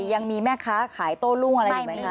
ยังมีแม่ค้าขายโต้รุ่งอะไรอีกไหมคะ